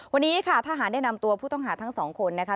วันนี้ค่ะทหารได้นำตัวผู้ต้องหาทั้งสองคนนะคะ